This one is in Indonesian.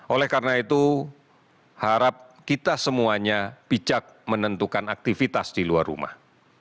oleh karena itu harap kita semuanya bijak menentukan aktivitas di luar rumah